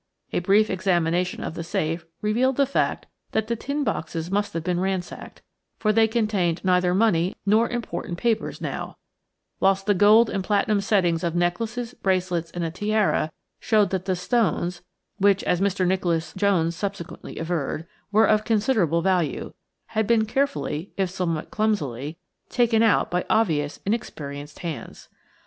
A brief examination of the safe revealed the fact that the tin boxes must have been ransacked, for they contained neither money nor important papers now, whilst the gold and platinum settings of necklaces, bracelets, and a tiara showed that the stones–which, as Mr. Nicholas Jones subsequently averred, were of considerable value–had been carefully, if somewhat clumsily, taken out by obvious inexperienced hands.